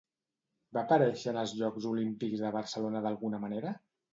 Va aparèixer en els Jocs Olímpics de Barcelona d'alguna manera?